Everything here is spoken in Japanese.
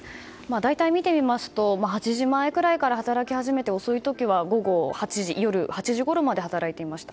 大体、見てみますと８時前くらいから働き始めて遅い時は夜８時ごろまで働いていました。